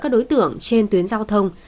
các đối tượng trên tuyến giao thông